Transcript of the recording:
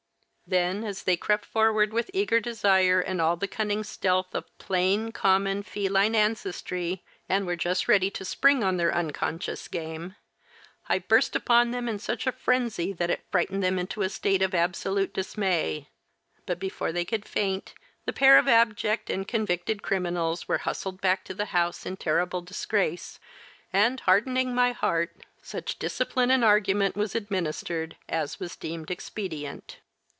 Then as they crept forward with eager desire and all the cunning stealth of plain, common, feline ancestry, and were just ready to spring on their unconscious game, I burst upon them in such a frenzy that it frightened them into a state of absolute dismay. But before they could feint, the pair of abject and convicted criminals were hustled back to the house in terrible disgrace, and, hardening my heart, such discipline and argument was administered as was deemed expedient.